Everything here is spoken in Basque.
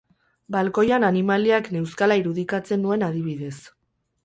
Balkoian animaliak neuzkala irudikatzen nuen adibidez.